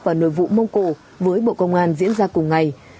và nội vụ mông cổ với bộ công an diễn ra cùng ngày